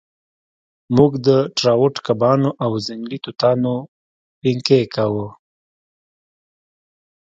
موږ د ټراوټ کبانو او ځنګلي توتانو پینکیک یادوو